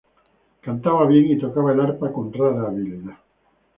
Cantaba bien y tocaba el arpa con rara habilidad.